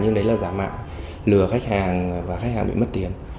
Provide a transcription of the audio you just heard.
nhưng đấy là giả mạo lừa khách hàng và khách hàng bị mất tiền